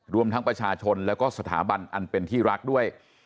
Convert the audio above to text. รวมทั้งประชาชนแล้วก็สถาบันอันเป็นที่รักด้วย